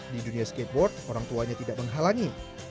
di dunia skateboard orang tuanya tidak menghalangi